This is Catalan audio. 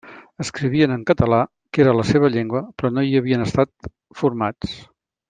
Escrivien en català, que era la seva llengua, però no hi havien estat formats.